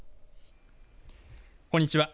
こんにちは。